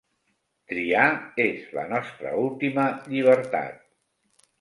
Triar és la nostra última llibertat.